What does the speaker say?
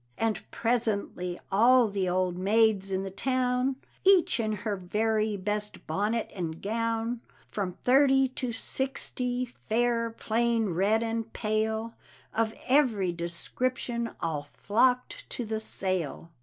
And presently all the old maids in the town, Each in her very best bonnet and gown, From thirty to sixty, fair, plain, red and pale, Of every description, all flocked to the sale.